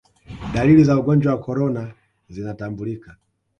dalili za ugonjwa wa korona zinatambulika